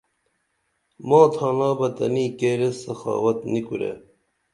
ماں تھانا بہ تنی کیر ایس سخاوت نی کُرے